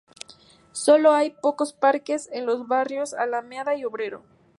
Sólo hay unos pocos parques en los barrios Alameda y Obrero.